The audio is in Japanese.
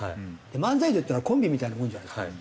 漫才でいったらコンビみたいなものじゃないですか。